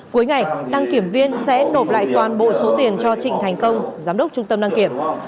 cuối ngày đăng kiểm viên sẽ nộp lại toàn bộ số tiền cho trịnh thành công giám đốc trung tâm đăng kiểm